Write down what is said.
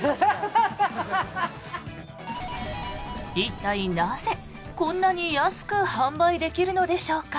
一体なぜ、こんなに安く販売できるのでしょうか。